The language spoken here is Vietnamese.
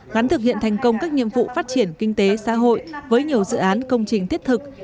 ngắn thực hiện thành công các nhiệm vụ phát triển kinh tế xã hội với nhiều dự án công trình thiết thực